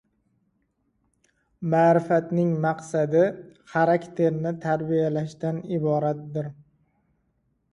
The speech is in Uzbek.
Ma’rifatning maqsadi xarakterni tarbiyalashdan iboratdar.